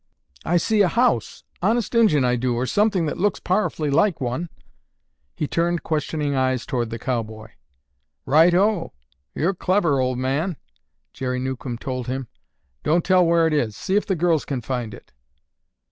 "I see a house, honest Injun, I do, or something that looks powerfully like one." He turned questioning eyes toward the cowboy. "Righto! You're clever, old man!" Jerry Newcomb told him. "Don't tell where it is. See if the girls can find it."